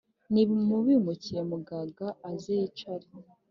nibimukire mugaga aze yicare